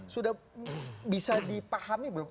sudah bisa dipahami belum